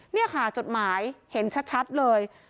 นี่ค่ะจดหมายเห็นชัดเลย